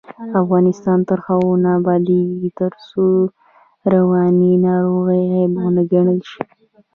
افغانستان تر هغو نه ابادیږي، ترڅو رواني ناروغۍ عیب ونه ګڼل شي.